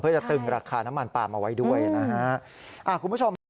เพื่อจะตึงราคาน้ำมันปลามเอาไว้ด้วยนะฮะ